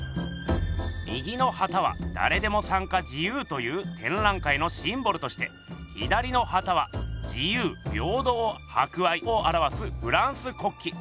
右の旗はだれでも参加自由というてんらい会のシンボルとして左の旗は自由平等博愛をあらわすフランス国旗。